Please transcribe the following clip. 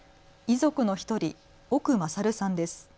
遺族の１人、奥勝さんです。